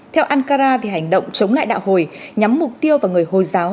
theo ankara hành động chống lại đạo hồi nhắm mục tiêu vào người hồi giáo